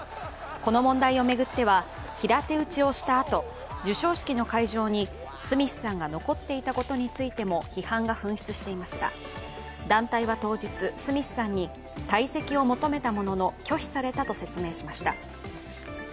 この問題を巡っては平手打ちをしたあと、授賞式の会場にスミスさんが残っていたことについても批判の噴出していますが団体は当日、スミスさんに退席を求めたものの拒否されたと説明しました。